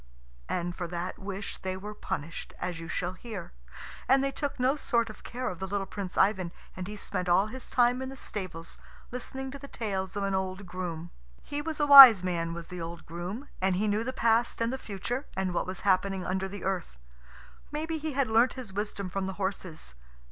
And for that wish they were punished, as you shall hear. And they took no sort of care of the little Prince Ivan, and he spent all his time in the stables, listening to the tales of an old groom. He was a wise man was the old groom, and he knew the past and the future, and what was happening under the earth. Maybe he had learnt his wisdom from the horses.